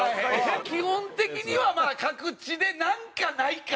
基本的にはまあ各地でなんかないかな？